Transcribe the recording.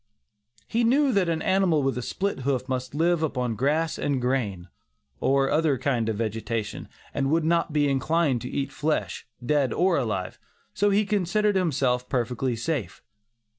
He knew that an animal with a split hoof must live upon grass and grain, or other kind of vegetation, and would not be inclined to eat flesh, dead or alive, so he considered himself perfectly safe.